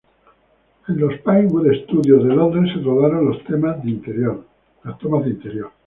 En los Pinewood Studios de Londres se rodaron las tomas de interior.